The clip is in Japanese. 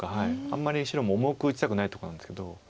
あんまり白も重く打ちたくないとこなんですけど。